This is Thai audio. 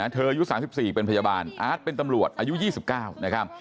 อายุ๓๔เป็นพยาบาลอาร์ตเป็นตำรวจอายุ๒๙นะครับ